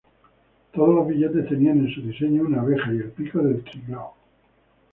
Todos los billetes tenían en su diseño una abeja y el pico del Triglav.